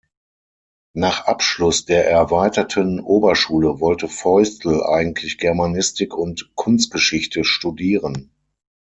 Nach Abschluss der Erweiterten Oberschule wollte Feustel eigentlich Germanistik und Kunstgeschichte studieren.